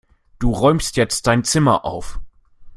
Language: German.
Du räumst jetzt dein Zimmer auf!